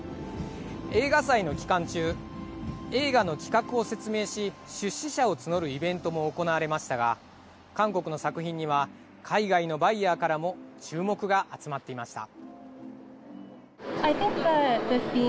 映画祭の期間中映画の企画を説明し出資者を募るイベントも行われましたが韓国の作品には海外のバイヤーからも注目が集まっていました。